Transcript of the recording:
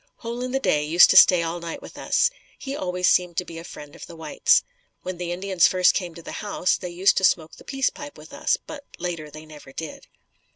Hole in the Day used to stay all night with us. He always seemed to be a friend of the whites. When the Indians first came to the house, they used to smoke the peace pipe with us, but later, they never did.